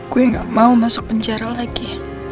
gue gak mau masuk penjara lagi